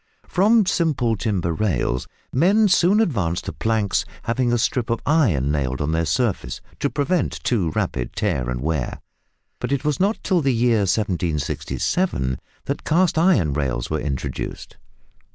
From simple timber rails men soon advanced to planks having a strip of iron nailed on their surface to prevent too rapid tear and wear, but it was not till the year 1767 that cast iron rails were introduced.